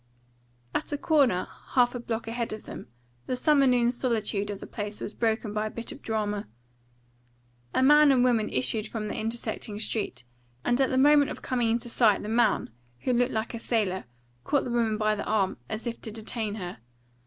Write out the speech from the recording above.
At a corner, half a block ahead of them, the summer noon solitude of the place was broken by a bit of drama. A man and woman issued from the intersecting street, and at the moment of coming into sight the man, who looked like a sailor, caught the woman by the arm, as if to detain her.